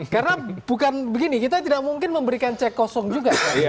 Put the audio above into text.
karena bukan begini kita tidak mungkin memberikan cek kosong juga